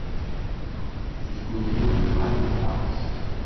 jusqu’au niveau de Granite-house.